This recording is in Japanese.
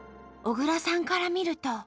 小倉さんから見ると。